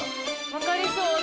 分かりそう！